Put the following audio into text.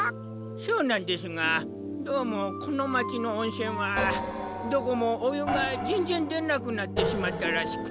そうなんですがどうもこのまちのおんせんはどこもおゆがぜんぜんでなくなってしまったらしくて。